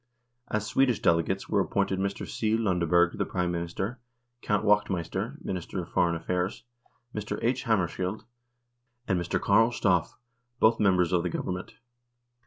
As Swedish delegates were appointed Mr. C. Lundeberg, the Prime Minister, Count Wacht meister, Minister of Foreign Affairs, Mr. H. Ham marskiold, and Mr. Karl Staaff, both members of the Government.